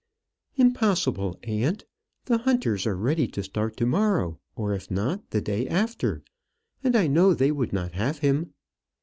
"Impossible, aunt. The Hunters are ready to start to morrow, or, if not, the day after, and I know they would not have him."